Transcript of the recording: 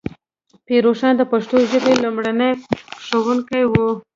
پیر روښان د پښتو ژبې لومړنی ښوونکی و.